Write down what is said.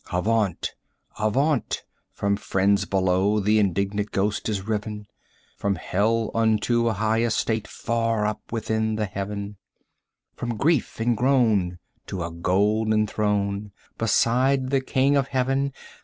"Avaunt! avaunt! from friends below, the indignant ghost is riven 20 From Hell unto a high estate far up within the Heaven From grief and groan, to a golden throne, beside the King of Heaven!